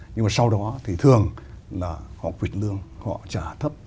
nhưng mà sau đó thì thường là họ vịt lương họ trả thấp